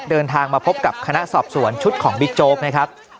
เดินทางมาพบกับคณะสอบสวนชุดของบิ๊กโจ๊กนะครับ